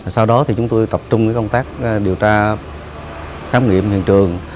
sau đó thì chúng tôi tập trung công tác điều tra khám nghiệm hiện trường